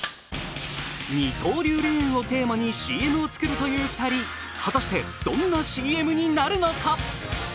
二刀流レーンをテーマにＣＭを作るという二人果たしてどんなＣＭになるのか